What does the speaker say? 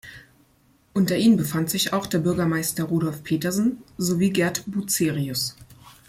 Unter ihnen befand sich auch der Bürgermeister Rudolf Petersen sowie Gerd Bucerius.